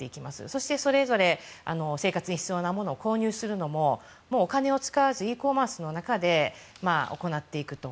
そして、それぞれ生活に必要なものを購入するのもお金を使わずｅコマースの中で行っていくと。